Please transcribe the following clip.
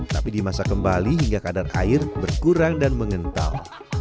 tapi dimasak kembali hingga kadar air berkurang dan mengental